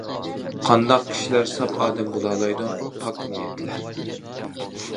قانداق كىشىلەر ساپ ئادەم بولالايدۇ؟ پاك نىيەتلەر.